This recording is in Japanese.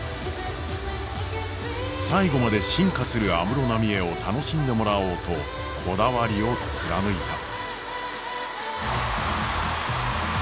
最後まで進化する安室奈美恵を楽しんでもらおうとこだわりを貫いた。